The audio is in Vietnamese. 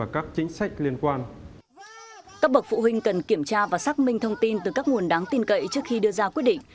các bậc phụ huynh cần kiểm tra và xác minh thông tin từ các nguồn đáng tin cậy trước khi đưa ra quyết định